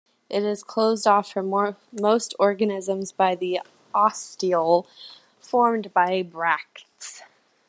It is closed off from most organisms by the ostiole, formed by bracts.